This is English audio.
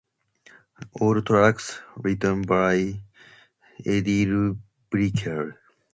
All tracks written by Edie Brickell.